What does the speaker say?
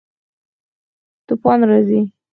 توپان راځي